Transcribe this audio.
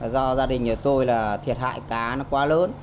do gia đình nhà tôi thiệt hại cá quá lớn